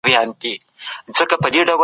د پلار جان خبره مي ومنله.